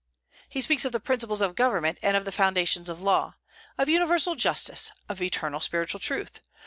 He speaks of the principles of government and of the fountains of law; of universal justice, of eternal spiritual truth.